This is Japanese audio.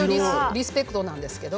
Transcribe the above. リスペクトなんですけれど。